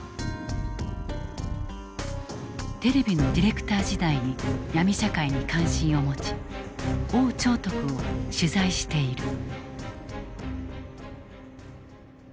テレビのディレクター時代にヤミ社会に関心を持ち王長徳を取材している。